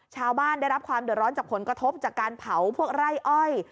ชาวบ้านได้รับความเดือดร้อนจากผลกระทบจากการเผาพวกไร่อ้อย